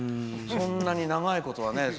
そんなに長いことは。